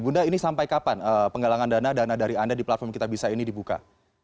bunda ini sampai kapan penggalangan dana dana dari anda di platform kitabisa ini dibuka